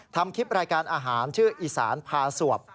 ทำคลิปรายการอาหารชื่ออีสานพาสวบ